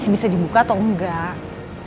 bisa dibuka atau enggak